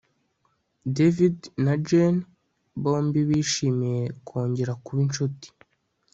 David na Jane bombi bishimiye kongera kuba inshuti